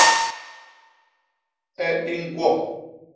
E i ñkwo.